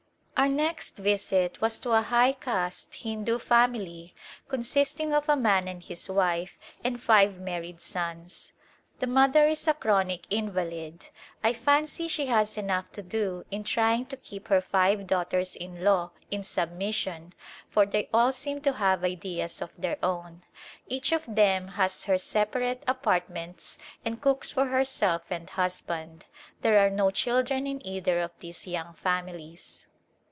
Our next visit was to a high caste Hindu family consisting of a man and his wife and five married sons. The mother is a chronic invalid. I fancy she has enough to do in trying to keep her five daughters in law in submission for they all seem to have ideas of A Glimpse of India their own. Each of them has her separate apartments and cooks for herself and husband. There are no children in either of these young families.